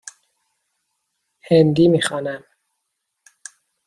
هندی می خوانم.